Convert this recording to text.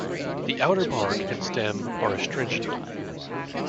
The outer bark and stem are astringent.